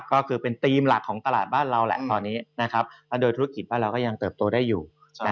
ก็คือเป็นเทอมเดียวกับตลาดอาหารบ้านเราและโดยธุรกิจบ้านเรายังเติบโตได้อยู่